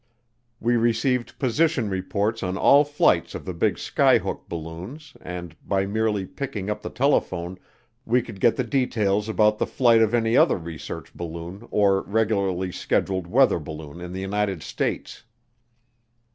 We received position reports on all flights of the big skyhook balloons and, by merely picking up the telephone, we could get the details about the flight of any other research balloon or regularly scheduled weather balloon in the United States.